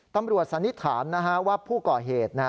ตำรวจสันนิษฐานว่าผู้ก่อเหตุ